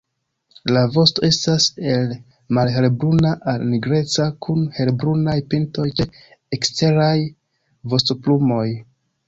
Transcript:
La vosto estas el malhelbruna al nigreca kun helbrunaj pintoj ĉe eksteraj vostoplumoj.